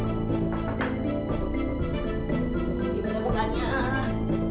katanya besok jam sepuluh kita harus kumpul di rumahnya nenek